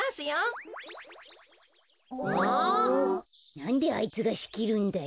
なんであいつがしきるんだよ。